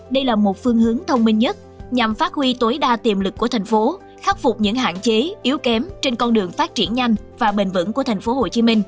đây là một phương hướng thông minh nhất nhằm phát huy tối đa tiềm lực của thành phố khắc phục những hạn chế yếu kém trên con đường phát triển nhanh và bền vững của tp hcm